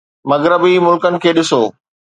مغربي ملڪن کي ڏسو